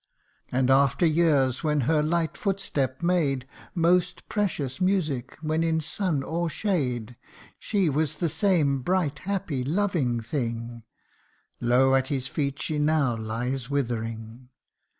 And after years when her light footstep made Most precious music when in sun or shade She was the same bright, happy, loving thing Low at his feet she now lies withering